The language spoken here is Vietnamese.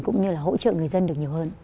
cũng như là hỗ trợ người dân được nhiều hơn